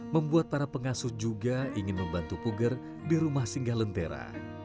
membuat para pengasuh juga ingin membantu puger di rumah singgah lentera